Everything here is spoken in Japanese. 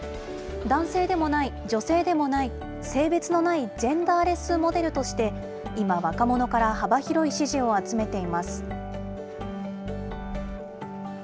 男性でもない、女性でもない、性別のないジェンダーレスモデルとして、今、若者から幅広い支持を集めています。